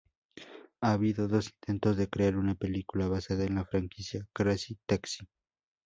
Ha habido dos intentos de crear una película basada en la franquicia "Crazy Taxi".